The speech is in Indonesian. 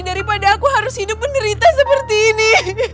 daripada aku harus hidup menderita seperti ini